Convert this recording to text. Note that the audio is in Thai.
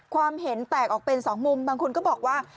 ความเห็นแตกออกเป็น๒มุมบางคนก็บอกว่า